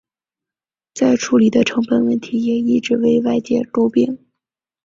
再处理的成本问题也一直为外界诟病。